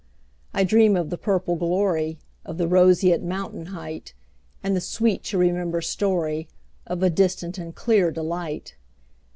I dream of the purple gloryOf the roseate mountain heightAnd the sweet to remember storyOf a distant and clear delight.